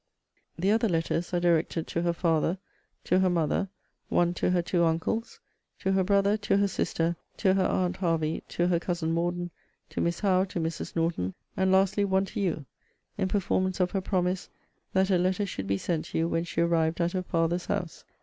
The other letters are directed to her father, to her mother, one to her two uncles, to her brother, to her sister, to her aunt Hervey, to her cousin Morden, to Miss Howe, to Mrs. Norton, and lastly one to you, in performance of her promise, that a letter should be sent you when she arrived at her father's house!